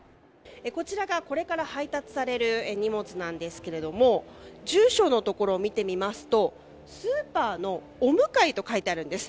こちらが、これから配達される荷物なんですけれども住所のところを見てみますとスーパーのお向かいと書いてあるんです。